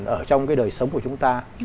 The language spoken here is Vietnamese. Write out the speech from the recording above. ở trong cái đời sống của chúng ta